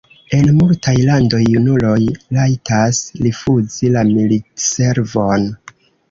En multaj landoj junuloj rajtas rifuzi la militservon.